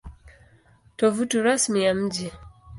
Tovuti Rasmi ya Mji